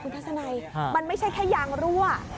คุณพระสนัยมันไม่ใช่แค่ยางรั่ว